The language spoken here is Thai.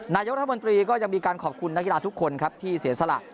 นายกรัฐมนตรีก็ยังมีการขอบคุณนักกีฬาทุกคนครับที่เสียสละ